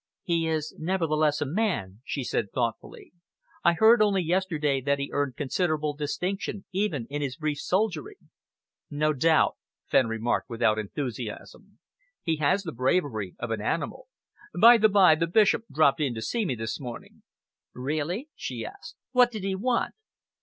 "He is nevertheless a man," she said thoughtfully. "I heard only yesterday that he earned considerable distinction even in his brief soldiering." "No doubt," Fenn remarked, without enthusiasm, "he has the bravery of an animal. By the bye, the Bishop dropped in to see me this morning." "Really?" she asked. "What did he want?"